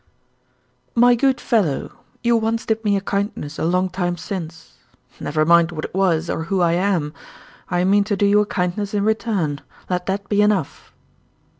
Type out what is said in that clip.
"My good fellow, you once did me a kindness a long time since. Never mind what it was or who I am. I mean to do you a kindness in return. Let that be enough.